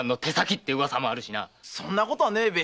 そんなことはねえべ。